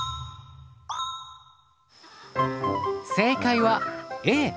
正解はＡ。